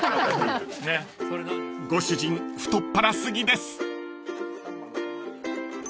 ［ご主人太っ腹過ぎです］